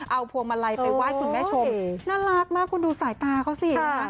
เอาพวงมาลัยไปไหว้คุณแม่ชมน่ารักมากคุณดูสายตาเขาสิ